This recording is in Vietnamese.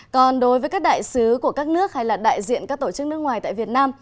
còn đối với các đại sứ của các nước hay là đại diện các tổ chức nước ngoài tại việt nam